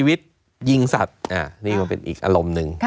วิทย์ยิงสัตว์นี่ก็เป็นอีกอารมณ์หนึ่ง